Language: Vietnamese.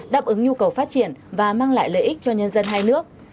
đáp ứng nhu cầu phát triển và mang lại lợi ích cho nhân dân hai nước